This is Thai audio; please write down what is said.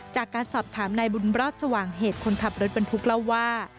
จากการสอบถามนายบุญรอดสว่างเหตุคนขับรถบรรทุกเล่าว่า